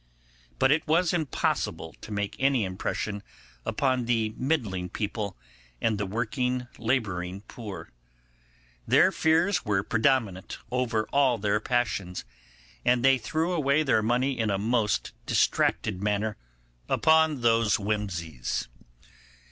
But it was impossible to make any impression upon the middling people and the working labouring poor. Their fears were predominant over all their passions, and they threw away their money in a most distracted manner upon those whimsies.